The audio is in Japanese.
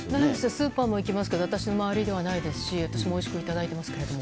スーパーも行きますけど私の周りではないですし、私もおいしくいただいていますけども。